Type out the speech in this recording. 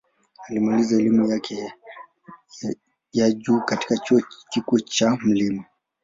Alimaliza elimu yake ya juu katika Chuo Kikuu cha Mt.